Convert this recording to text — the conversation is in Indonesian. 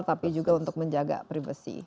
tapi juga untuk menjaga privasi